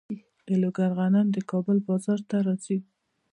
د لوګر غنم د کابل بازار ته راځي.